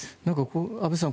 安部さん